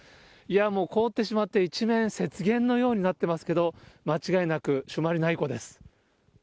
もう凍ってしまって一面、雪原のようになってますけど、間違いなく、朱鞠内湖です。